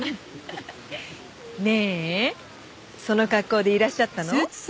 ねえその格好でいらっしゃったの？